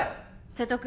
瀬戸君